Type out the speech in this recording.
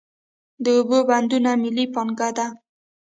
د اوبو بندونه ملي پانګه ده.